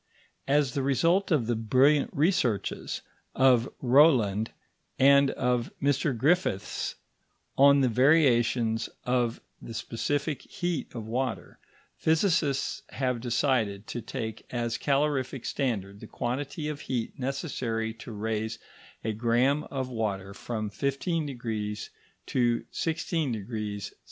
As the result of the brilliant researches of Rowland and of Mr Griffiths on the variations of the specific heat of water, physicists have decided to take as calorific standard the quantity of heat necessary to raise a gramme of water from 15° to 16° C.